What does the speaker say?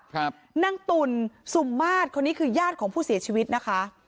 ครับนางตุ่นสุ่มมาตรคนนี้คือญาติของผู้เสียชีวิตนะคะ